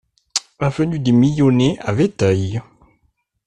Avenue des Millonnets à Vétheuil